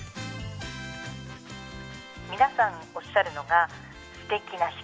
皆さんおっしゃるのが素敵な人。